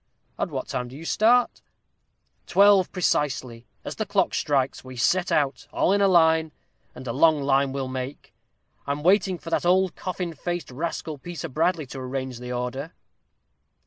At what time do you start?" "Twelve precisely. As the clock strikes, we set out all in a line, and a long line we'll make. I'm waiting for that ould coffin faced rascal, Peter Bradley, to arrange the order."